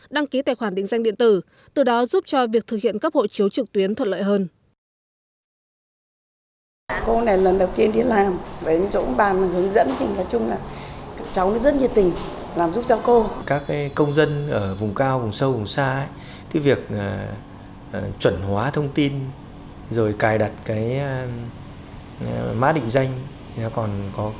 đăng ký tài khoản định danh điện tử từ đó giúp cho việc thực hiện các hộ chiếu trực tuyến thuận lợi hơn